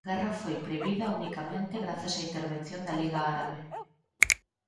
A guerra foi previda unicamente grazas á intervención da Liga Árabe.